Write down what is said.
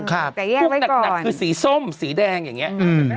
ไม่ได้มีอาการคงอำนาจก็คือสีส้มสีแดงอย่างเงี้ย